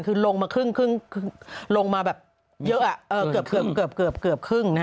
คือลงมาครึ่งลงมาแบบเยอะเกือบครึ่ง